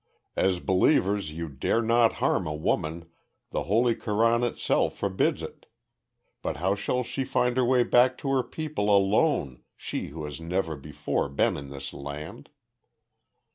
"As believers you dare not harm a woman, the holy Koran itself forbids it. But how shall she find her way back to her people alone, she who has never before been in this land?"